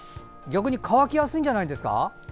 逆に乾きやすいんじゃないですか。